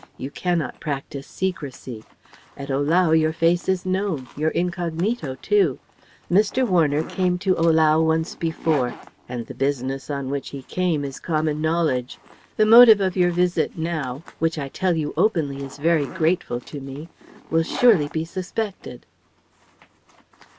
You cannot practise secrecy. At Ohlau your face is known, your incognito too. Mr. Warner came to Ohlau once before, and the business on which he came is common knowledge. The motive of your visit now, which I tell you openly is very grateful to me, will surely be suspected."